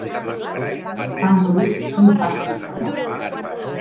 Tan brut, quin fàstic que fa!